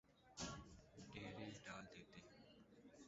ڈیرے ڈال دیتے ہیں